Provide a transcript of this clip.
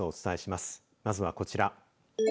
まずはこちら。